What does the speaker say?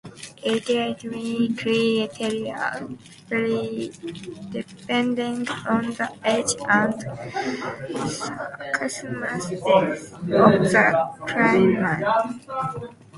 Eligibility criteria vary depending on the age and circumstances of the claimant.